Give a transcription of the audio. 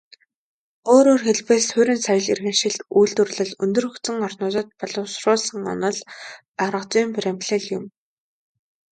Өөрөөр хэлбэл, суурин соёл иргэншилт, үйлдвэрлэл өндөр хөгжсөн орнуудад боловсруулсан онол аргазүйн баримтлал юм.